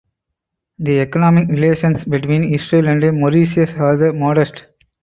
The economic relations between Israel and Mauritius are modest.